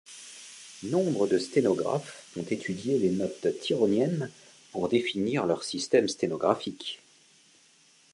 Nombre de sténographes ont étudié les notes tironiennes pour définir leur système sténographique.